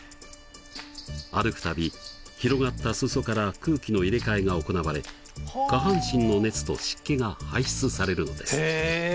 歩く度広がった裾から空気の入れ替えが行われ下半身の熱と湿気が排出されるのです。